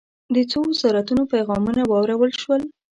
د څو وزارتونو پیغامونه واورل شول.